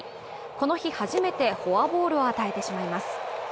この日、初めてフォアボールを与えてしまいます。